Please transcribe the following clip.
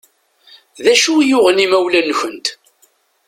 D acu i yuɣen imawlan-nkent?